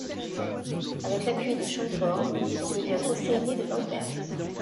Avec l'appui de Schönborn, il devient conseiller de Bamberg.